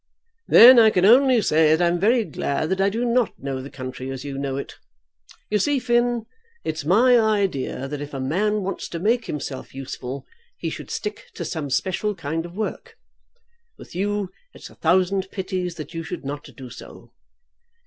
"Then I can only say that I am very glad that I do not know the country as you know it. You see, Finn, it's my idea that if a man wants to make himself useful he should stick to some special kind of work. With you it's a thousand pities that you should not do so."